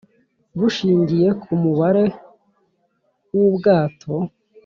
bushingiye ku mubare wu bwato